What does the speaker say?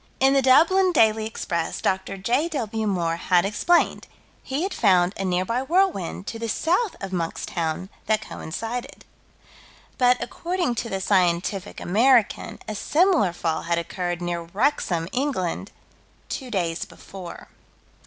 In the Dublin Daily Express, Dr. J.W. Moore had explained: he had found a nearby whirlwind, to the south of Monkstown, that coincided. But, according to the Scientific American, a similar fall had occurred near Wrexham, England, two days before.